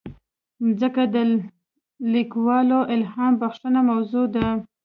مځکه د لیکوالو الهامبخښه موضوع ده.